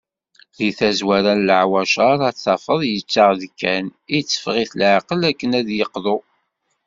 Deg tazwara n leɛwacar, ad t-tafeḍ yettaɣ-d kan, itteffeɣ-it leɛqel akken ad d-yeqḍu.